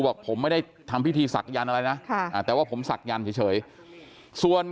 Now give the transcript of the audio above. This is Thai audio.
บอกผมไม่ได้ทำพิธีศักยันต์อะไรนะแต่ว่าผมศักยันต์เฉยส่วน